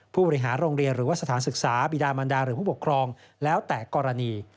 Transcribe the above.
ผู้บริหารโรงเรียนหรือว่าสถานศึกษาบิดามันดาหรือผู้ปกครองแล้วแต่กรณี